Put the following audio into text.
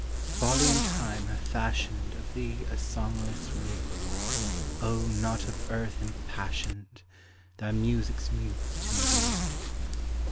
Folly and Time have fashioned Of thee a songless reed; O not of earth impassioned! Thy music's mute indeed.